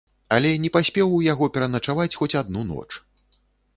Але не паспеў у яго пераначаваць хоць адну ноч.